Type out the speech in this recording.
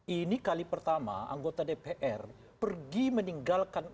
ini kali pertama anggota dpr pergi meninggalkan